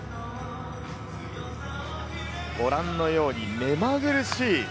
ご覧のように目まぐるしい